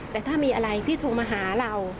แต่ถ้ามีอะไรพี่โทรมาหาเรา